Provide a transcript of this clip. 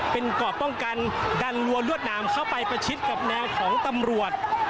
เป็นกรอบป้องกันดันรัวรวดหนามเข้าไปประชิดกับแนวของตำรวจ